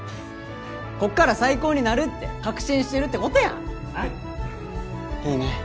こっから最高になるって確信してるってことやんいいね